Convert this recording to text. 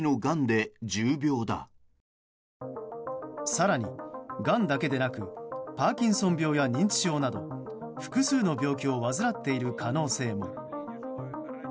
更に、がんだけでなくパーキンソン病や認知症など複数の病気を患っている可能性も。